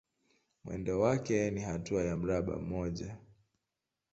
Mwendo wake ni hatua ya mraba mmoja.